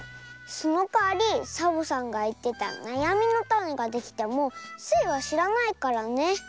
そのかわりサボさんがいってたなやみのタネができてもスイはしらないからね。